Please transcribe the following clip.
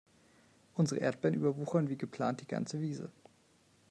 Unsere Erdbeeren überwuchern wie geplant die ganze Wiese.